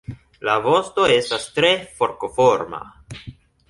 La vosto estas tre forkoforma.